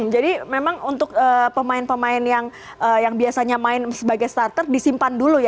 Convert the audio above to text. memang untuk pemain pemain yang biasanya main sebagai starter disimpan dulu ya